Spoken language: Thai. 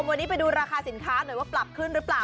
วันนี้ไปดูราคาสินค้าหน่อยว่าปรับขึ้นหรือเปล่า